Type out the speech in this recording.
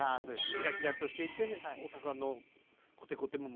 キラキラとしていて大阪のコテコテも持ちつつ。